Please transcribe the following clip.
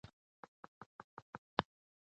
پرنګیان د افغان غازیانو مقابله ونه کړه.